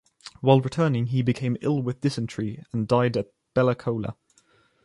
While returning, he became ill with dysentery and died at Bella Coola.